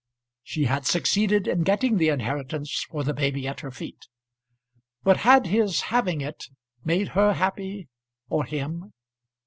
She had succeeded in getting the inheritance for the baby at her feet; but had his having it made her happy, or him?